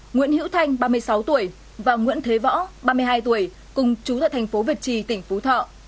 nguyễn hữu thanh ba mươi sáu tuổi và nguyễn thế võ ba mươi hai tuổi cùng chú tại thành phố việt trì tỉnh phú thọ